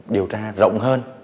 điều tra rộng hơn